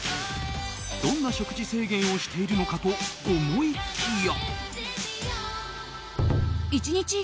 どんな食事制限をしているのかと思いきや。